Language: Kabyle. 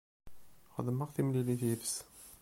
Xedmeɣ timlilit yid-s.